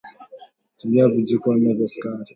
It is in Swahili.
tumia Vijiko vinne vya sukari